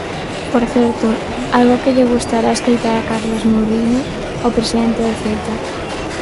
Por certo, algo que lle gustará escoitar a Carlos Mouriño, o presidente do Celta.